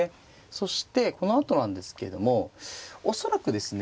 そしてこのあとなんですけども恐らくですね